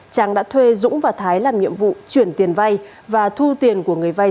tráng đã thuê dũng và thái làm nhiệm vụ chuyển tiền vai và thu tiền của người vai